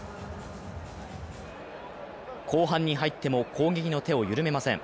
後半に入っても攻撃の手を緩めません。